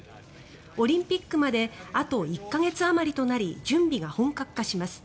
オリンピックまであと１か月あまりとなり準備が本格化します。